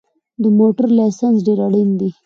د موټر لېسنس ډېر اړین دی